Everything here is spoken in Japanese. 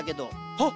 はっ！